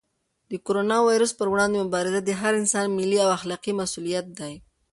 د کرونا وېروس پر وړاندې مبارزه د هر انسان ملي او اخلاقي مسؤلیت دی.